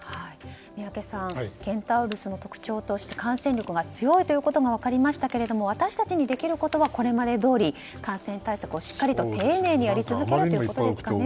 宮家さんケンタウロスの特徴として感染力が強いということが分かりましたけれども私たちにできることはこれまでどおり感染対策をしっかりと丁寧にやり続けることですかね。